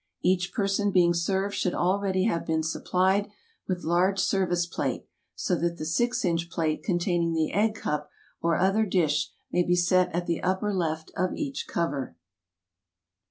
Each person being served should already have been supplied with large service plate, so that the six inch plate containing the egg cup or other dish may be set at the upper left of each cover.